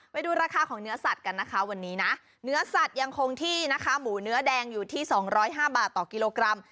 ไปดูราคาของเนื้อสัตว์กันนะคะวันนี้นะเนื้อสัตว์ยังคงที่นะคะหมูเนื้อแดงอยู่ที่๒๐๕บาทต่อกิโลกรัม